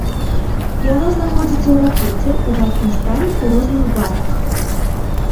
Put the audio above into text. Яно знаходзіцца ў ракеце ў вадкім стане ў розных баках.